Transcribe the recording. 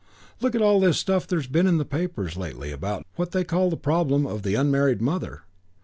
Look at all this stuff there's been in the papers lately about what they call the problem of the unmarried mother.